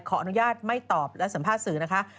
ขออนุญาตไม่ตอบและสัมภาษณ์สื่อนะคะ